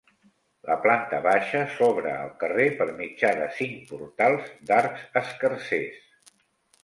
La planta baixa s'obre al carrer per mitjà de cinc portals d'arcs escarsers.